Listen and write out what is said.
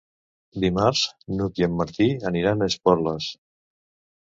Dimarts n'Hug i en Martí aniran a Esporles.